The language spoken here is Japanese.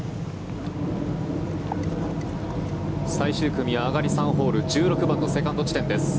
最終組、上がり３ホール１６番のセカンド地点です。